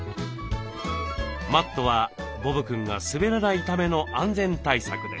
マットはボブくんが滑らないための安全対策です。